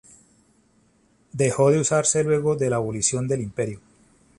Dejó de usarse luego de la abolición del imperio.